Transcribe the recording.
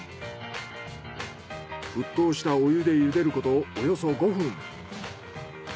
沸騰したお湯でゆでることおよそ５分。